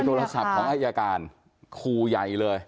โทรศัพท์ของอายการคู่ใหญ่เลย